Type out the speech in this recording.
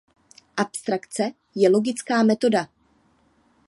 Abstrakce je logická metoda.